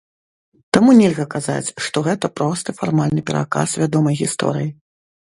Таму нельга казаць, што гэта просты фармальны пераказ вядомай гісторыі.